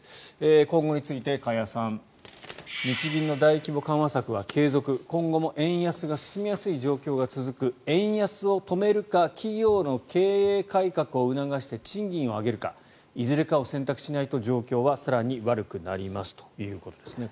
今後について加谷さん日銀の大規模緩和策は継続今後も円安が進みやすい状況が続く円安を止めるか企業の経営改革を促して賃金を上げるかいずれかを選択しないと状況は更に悪くなりますということですね。